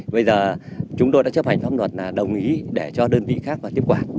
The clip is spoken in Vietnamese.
bây giờ chúng tôi đã chấp hành pháp luật là đồng ý để cho đơn vị khác tiếp quản